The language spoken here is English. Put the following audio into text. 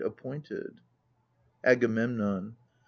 appointed. AGAMEMNON.